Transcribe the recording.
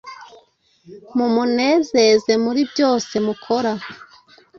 mumunezeze muri byose mukora